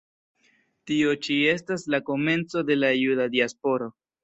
Tio ĉi estas la komenco de la Juda diasporo.